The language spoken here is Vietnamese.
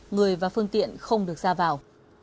người và phương tiện không được ra vào